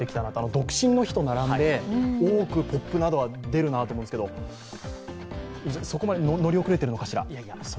独身の日と並んで多くポップなどは出るなと思うんですけど、乗り遅れてるのかしら？